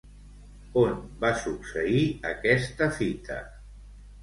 On va succeir aquesta fita?